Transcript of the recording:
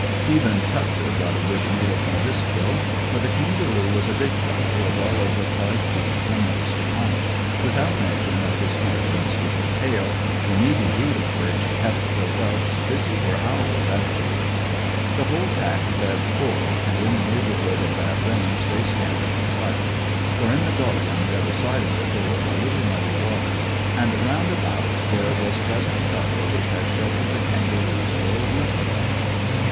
Even Tufter got a good meal from this kill, for the kangaroo was a big fellow of well over five feet from nose to haunch, without mention of his huge muscular tail, the meaty root of which kept the whelps busy for hours afterwards. The whole pack fed full, and in the neighbourhood of that range they scattered and slept; for in the gully on the other side of it there was a little muddy water, and round about there was pleasant cover which had sheltered the kangaroos for a week or more.